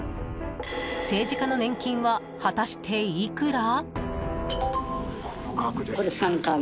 政治家の年金は果たしていくら？